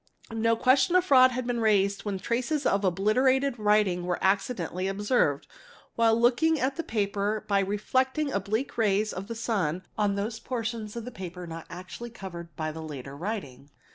No question of fraud had been raised when — traces of obliterated writing were accidentally observed, while looking at — the paper by the reflected oblique rays of the sun, on those portions of the — paper not actually covered by the later writing.